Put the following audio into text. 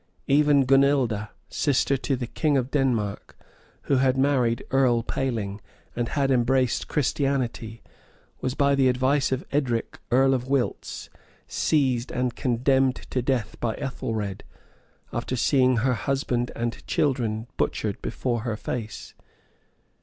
Even Gunilda, sister to the king of Denmark, who had married Earl Paling, and had embraced Christianity, was, by the advice of Edric, earl of Wilts, seized and condemned to death by Ethelred, after seeing her husband and children butchered before her face.